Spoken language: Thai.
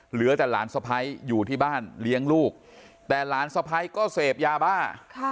เหลือแต่หลานสะพ้ายอยู่ที่บ้านเลี้ยงลูกแต่หลานสะพ้ายก็เสพยาบ้า